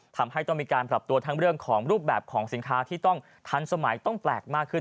ทำให้ต้องมีการปรับตัวทั้งเรื่องของรูปแบบของสินค้าที่ต้องทันสมัยต้องแปลกมากขึ้น